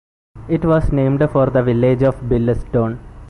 It was named for the village of Billesdon.